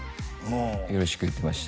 よろしく言ってました